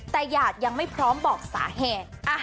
แต่หยาดยังไม่พร้อมบอกสาเหตุ